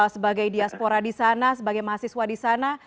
sebagai diaspora di sana sebagai mahasiswa di sana